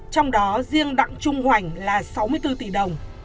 trong đó riêng đặng trung hoành là sáu mươi bốn tỷ đồng